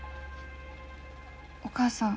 お母さん。